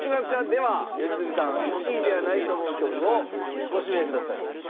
では良純さん１位ではないと思う曲をご指名ください。